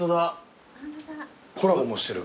コラボもしてる。